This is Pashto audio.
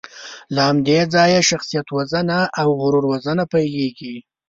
له همدې ځایه شخصیتوژنه او غرور وژنه پیلېږي.